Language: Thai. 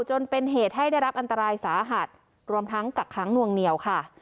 จนเป็นเหตุให้ได้รับอันตรายสาหัสรวมทั้งกักค้างนวงเหนียวค่ะ